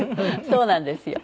そうなんですよ。